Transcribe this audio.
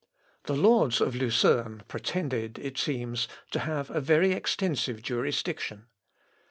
" The lords of Lucerne pretended, it seems, to have a very extensive jurisdiction.